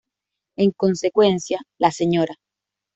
En consecuencia, la Sra.